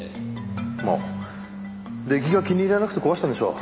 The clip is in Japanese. まあ出来が気に入らなくて壊したんでしょう。